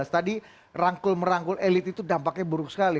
tadi rangkul merangkul elit itu dampaknya buruk sekali